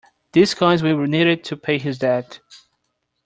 These coins will be needed to pay his debt.